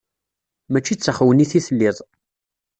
Mačči d taxewnit i telliḍ.